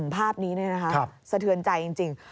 ภาพนี้นะคะสะเทือนใจจริง